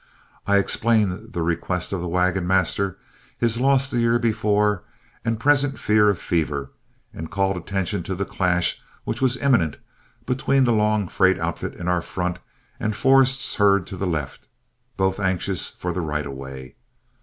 I explained the request of the wagon master, his loss the year before and present fear of fever, and called attention to the clash which was imminent between the long freight outfit in our front and Forrest's herd to the left, both anxious for the right of way.